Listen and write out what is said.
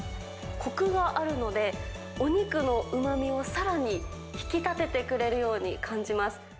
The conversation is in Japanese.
こくがあるので、お肉のうまみをさらに引き立ててくれるように感じます。